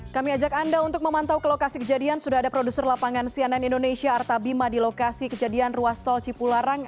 kami ajak anda untuk memantau ke lokasi kejadian sudah ada produser lapangan cnn indonesia arta bima di lokasi kejadian ruas tol cipularang